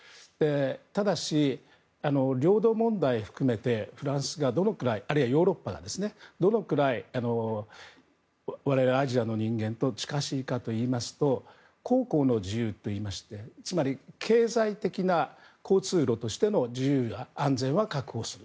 ただし、領土問題含めてフランスがどのくらいあるいはヨーロッパがどのくらい我々アジアの人間と近しいかといいますと航行の自由といいましてつまり、経済的な交通路としての自由や安全は確保する。